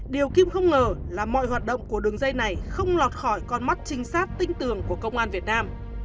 điều kim không ngờ là mọi hoạt động của đường dây này không lọt khỏi con mắt trinh sát tinh tường của công an việt nam